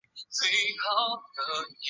像在黑暗中看见一线光芒